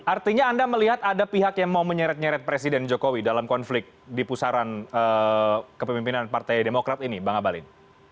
artinya anda melihat ada pihak yang mau menyeret nyeret presiden jokowi dalam konflik di pusaran kepemimpinan partai demokrat ini bang abalin